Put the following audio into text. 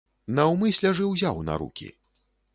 Наўмысля ж і ўзяў на рукі.